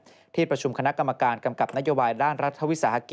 โดยรฟทจะประชุมและปรับแผนให้สามารถเดินรถได้ทันในเดือนมิถุนายนปี๒๕๖๓